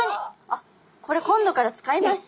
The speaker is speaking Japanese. あっこれ今度から使います。